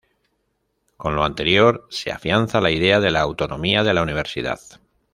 Con lo anterior, se afianza la idea de la autonomía de la universidad.